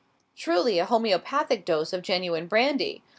Truly a homoeopathic dose of genuine brandy!